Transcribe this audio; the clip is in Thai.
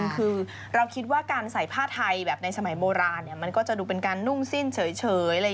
คือเราคิดว่าการใส่ผ้าไทยแบบในสมัยโบราณมันก็จะดูเป็นการนุ่งสิ้นเฉย